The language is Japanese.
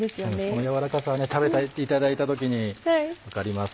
この軟らかさは食べていただいた時に分かります。